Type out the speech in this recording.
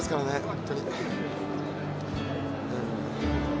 本当に。